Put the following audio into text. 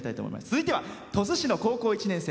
続いては鳥栖市の高校１年生。